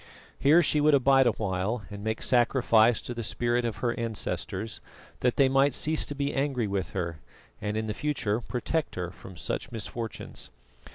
Here she would abide awhile and make sacrifice to the spirits of her ancestors, that they might cease to be angry with her and in future protect her from such misfortunes.